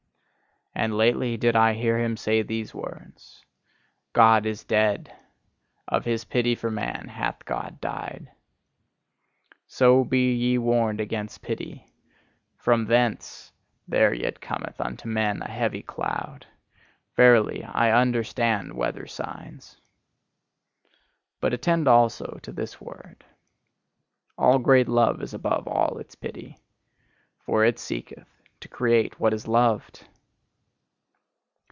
And lately, did I hear him say these words: "God is dead: of his pity for man hath God died." So be ye warned against pity: FROM THENCE there yet cometh unto men a heavy cloud! Verily, I understand weather signs! But attend also to this word: All great love is above all its pity: for it seeketh to create what is loved!